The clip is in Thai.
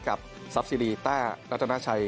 กับทรัพย์ซีรีย์ต้ารัตนาชัย